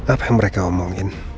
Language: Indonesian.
apa yang mereka omongin